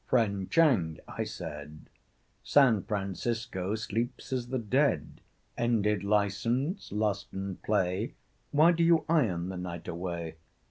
"Friend Chang," I said, "San Francisco sleeps as the dead Ended license, lust and play: Why do you iron the night away?